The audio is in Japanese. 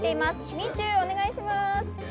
みちゅお願いします！